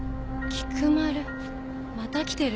菊丸また来てる。